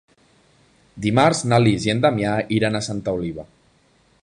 Dimarts na Lis i en Damià iran a Santa Oliva.